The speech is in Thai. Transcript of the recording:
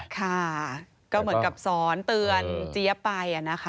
ค่ะก็เหมือนกับสอนเตือนเจี๊ยบไปนะคะ